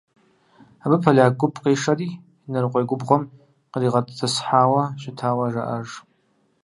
Абы поляк гуп къишэри Инарыкъуей губгъуэм къригъэтӏысхьауэ щытауэ жаӏэж.